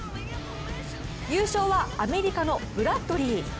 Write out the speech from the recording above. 優勝はアメリカのブラッドリー。